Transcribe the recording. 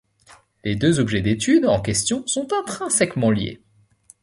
Les deux objets d'étude en question sont intrinsèquement liés.